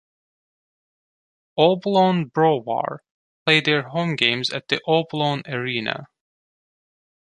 "Obolon Brovar" play their home games at the Obolon Arena.